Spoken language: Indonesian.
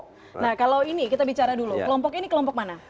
nah kalau ini kita bicara dulu kelompok ini kelompok mana